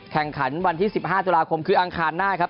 แข่งขันวันที่๑๕ตุลาคมคืออังคารหน้าครับ